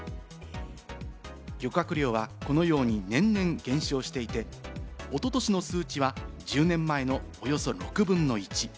漁獲量はこのように年々減少していて、一昨年の数値は１０年前のおよそ６分の１。